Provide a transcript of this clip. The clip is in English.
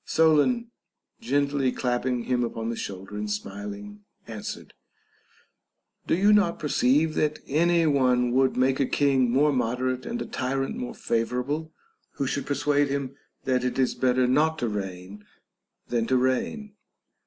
Solon, gently clapping him upon the shoulder and smiling, answered : Do you not per ceive that any one would make a king more moderate and a tyrant more favorable, who should persuade him that it is better not to reign than to reign?